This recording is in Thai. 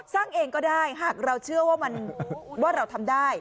สร้างเองก็ได้หากเราเชื่อว่ามันว่าเราทำได้